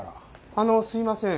あのすいません。